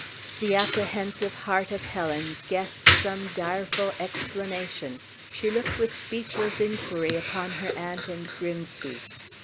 The apprehensive heart of Helen guessed some direful explanation; she looked with speechless inquiry upon her aunt and Grimsby.